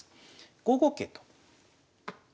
５五桂と。